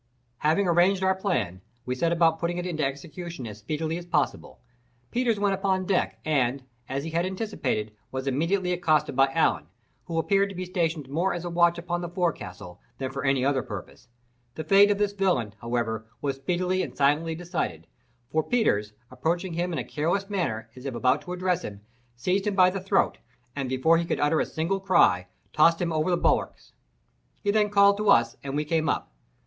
Having arranged our plan, we set about putting it in execution as speedily as possible. Peters went upon deck, and, as he had anticipated, was immediately accosted by Allen, who appeared to be stationed more as a watch upon the forecastle than for any other purpose. The fate of this villain, however, was speedily and silently decided; for Peters, approaching him in a careless manner, as if about to address him, seized him by the throat, and, before he could utter a single cry, tossed him over the bulwarks. He then called to us, and we came up.